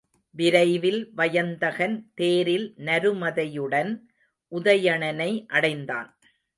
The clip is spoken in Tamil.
விரைவில் வயந்தகன் தேரில் நருமதையுடன் உதயணனை அடைந்தான்.